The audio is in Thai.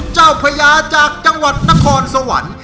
พญาจากจังหวัดนครสวรรค์